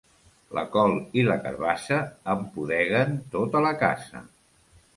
La col i la carabassa empudeguen tota la casa.